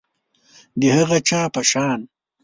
د هغه چا په شان